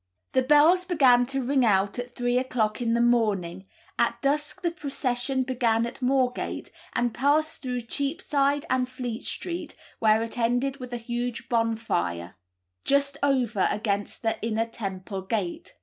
The bells began to ring out at three o'clock in the morning; at dusk the procession began at Moorgate, and passed through Cheapside and Fleet Street, where it ended with a huge bonfire, "just over against the Inner Temple gate."